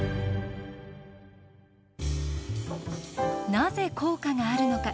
なぜ効果があるのか？